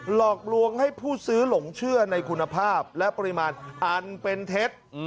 หลอกลวงให้ผู้ซื้อหลงเชื่อในคุณภาพและปริมาณอันเป็นเท็จ